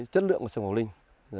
chất lượng của sân mộc linh